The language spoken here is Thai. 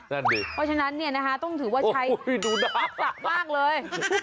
แน่นดีเพราะฉะนั้นเนี่ยนะคะต้องถือว่าใช้โอ้โหดูดาร์ฝักมากเลย